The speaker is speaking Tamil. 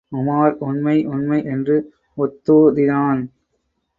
உமார், உண்மை, உண்மை என்று ஒத்துதினான்.